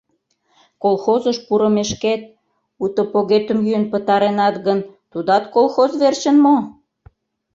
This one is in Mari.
Колхозыш пурымешкет, уто погетым йӱын пытаренат гын, тудат колхоз верчын мо?